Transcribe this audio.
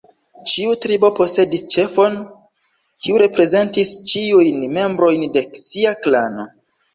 Ĉiu tribo posedis ĉefon, kiu reprezentis ĉiujn membrojn de sia klano.